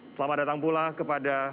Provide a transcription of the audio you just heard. selamat datang pula kepada